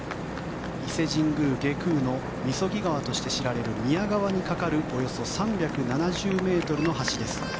伊勢神宮外宮のみそぎ橋として知られる宮川に架かるおよそ３７０ｍの橋です。